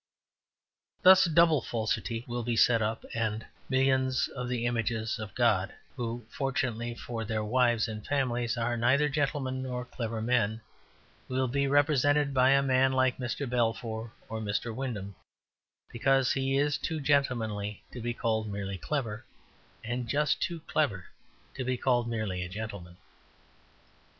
Thus a double falsity will be set up, and millions of the images of God, who, fortunately for their wives and families, are neither gentlemen nor clever men, will be represented by a man like Mr. Balfour or Mr. Wyndham, because he is too gentlemanly to be called merely clever, and just too clever to be called merely a gentleman.